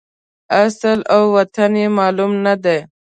اصل او وطن یې معلوم نه دی.